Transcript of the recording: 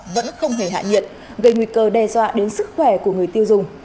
vẫn không hề hạ nhiệt gây nguy cơ đe dọa đến sức khỏe của người tiêu dùng